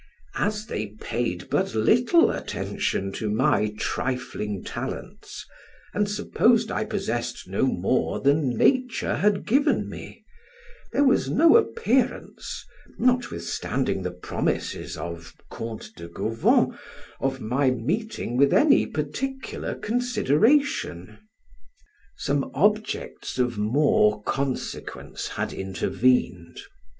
As they paid but little attention to my trifling talents, and supposed I possessed no more than nature had given me, there was no appearance (notwithstanding the promises of Count de Gauvon) of my meeting with any particular consideration. Some objects of more consequence had intervened.